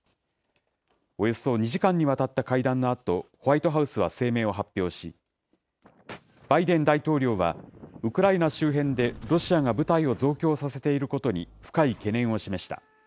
およそ２時間にわたった会談のあと、ホワイトハウスは声明を発表し、バイデン大統領は、ウクライナ周辺でロシアが部隊を増強させていることに深い懸念を示した。